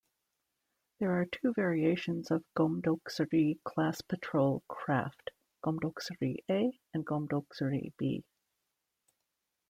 There are two variations of "Geomdoksuri" class patrol craft: "Geomdoksuri"-A and "Geomdoksuri"-B.